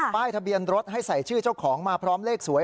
ป้ายทะเบียนรถให้ใส่ชื่อเจ้าของมาพร้อมเลขสวย